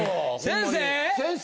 先生！